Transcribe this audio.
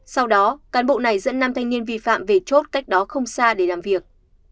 sau đó cán bộ này dẫn năm thanh niên vi phạm về chốt cách đó không xa để làm việc